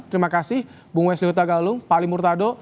terima kasih bung wessi huta galung pak ali murtado